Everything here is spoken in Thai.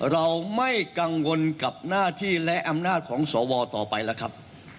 เราไม่กังวลกับหน้าที่และอำนาจของสวต่อไปแล้วครับ